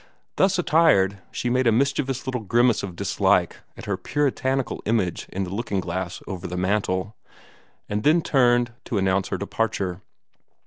Thus attired, she made a mischievous little grimace of dislike at her puritanical image in the looking glass over the mantel, and then turned to announce her departure.